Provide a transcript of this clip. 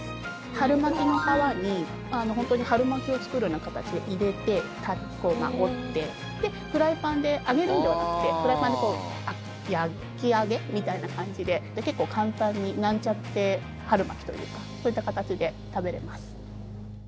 春巻きの皮に本当に春巻きを作るような形で入れて、折ってフライパンで揚げるのではなくてフライパンで焼き揚げみたいな感じで結構、簡単になんちゃって春巻きというかそういった形で食べれます。